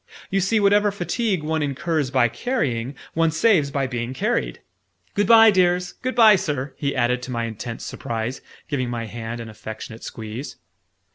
You see, whatever fatigue one incurs by carrying, one saves by being carried! Good bye, dears! Good bye, Sir!" he added to my intense surprise, giving my hand an affectionate squeeze.